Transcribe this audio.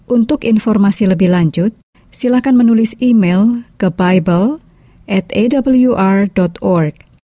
untuk informasi lebih lanjut silahkan menulis email ke bible atawr org